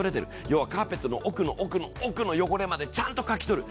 要は、カーペットの奥の奥の奥の汚れまでちゃんとかきとる。